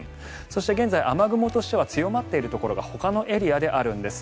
そして、現在雨雲としては強まっているところほかのエリアであるんです。